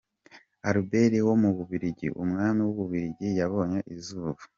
Albert wa w’Ububiligi, umwami w’ububiligi yabonye izuba.